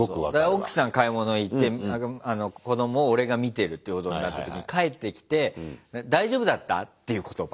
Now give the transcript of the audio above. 奥さん買い物行って子供を俺が見てるってことになった時に帰ってきて「大丈夫だった？」っていう言葉。